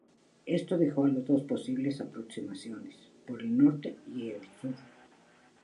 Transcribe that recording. Esto dejó a los dos posibles aproximaciones: por el norte y el sur.